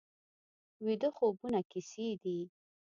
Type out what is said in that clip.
ویده خوبونه کیسې دي